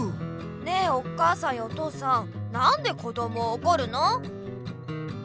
ねえお母さんやお父さんなんでこどもをおこるの？